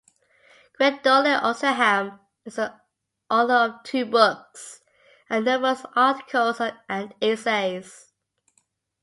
Gwendolyn Oxenham is the author of two books and numerous articles and essays.